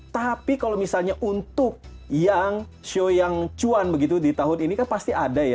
tapi kalau misalnya untuk yang show yang cuan begitu di tahun ini kan pasti ada ya